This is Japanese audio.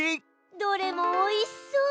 どれもおいしそう！